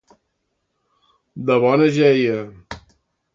De bona jeia.